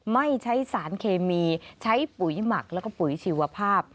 ไม่ใช้สารเคมีใช้ปุ๋ยหมักแล้วก็ปุ๋ยชีวภาพ